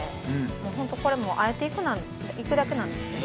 本当これもうあえていくだけなんですけど。